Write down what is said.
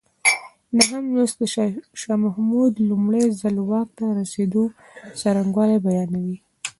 نهم لوست د شاه محمود لومړی ځل واک ته رسېدو څرنګوالی بیانوي.